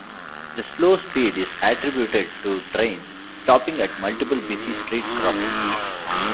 The slow speed is attributed to trains stopping at multiple busy street crossings.